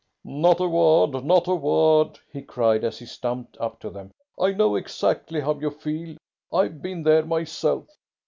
"Not a word! Not a word!" he cried, as he stumped up to them. "I know exactly how you feel. I've been there myself.